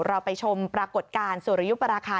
เราไปชมปรากฏการณ์สุริยุปราคา